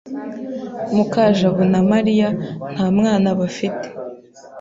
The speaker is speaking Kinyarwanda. Mukajabo na Mariya nta mwana bafite.